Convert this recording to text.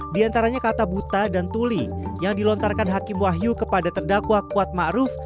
di antaranya kata buta dan tuli yang dilontarkan hakim wahyu kepada terdakwa kuat ma'ruf